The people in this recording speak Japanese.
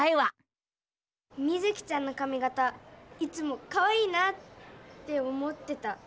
ミズキちゃんのかみ形いつもかわいいなって思ってた。